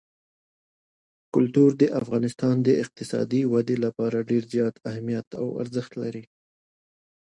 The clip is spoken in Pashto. کلتور د افغانستان د اقتصادي ودې لپاره ډېر زیات اهمیت او ارزښت لري.